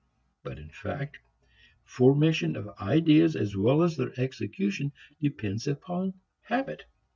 But in fact, formation of ideas as well as their execution depends upon habit.